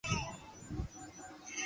اورا پگ آپري ھاٿو مون دويا